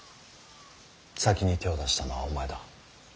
先に手を出したのはお前だ。